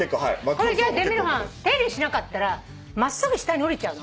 デミルハン手入れしなかったら真っすぐ下に下りちゃうの？